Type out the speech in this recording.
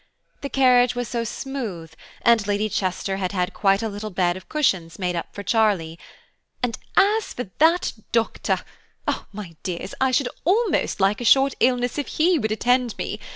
The carriage was so smooth, and Lady Chester had had quite a little bed of cushions made up for Charlie, "and as for that Doctor, my dears, I should almost like a short illness if he would attend me.